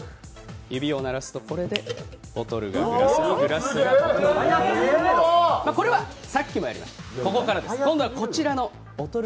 指を鳴らすとこれで、ボトルがグラス、グラスがボトル。